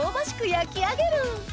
焼き上げる！